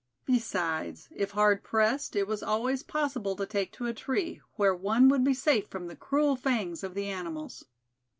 Besides, if hard pressed, it was always possible to take to a tree, where one would be safe from the cruel fangs of the animals.